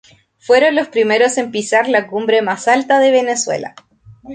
Fueron los primeros en pisar la cumbre más alta de Venezuela.